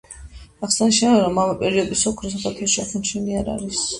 აღსანიშნავია რომ ამ პერიოდის ოქრო საქართველოში აღმოჩენილი არ არის.